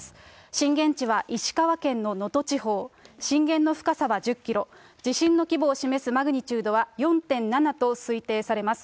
震源地は石川県の能登地方、震源の深さは１０キロ、地震の規模を示すマグニチュードは４．７と推定されます。